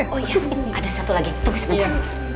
oh iya ada satu lagi tunggu sebentar